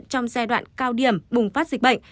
trong giai đoạn cao điểm bùng phát dịch bệnh